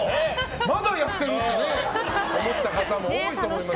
まだやってるってね思った方も多いと思います。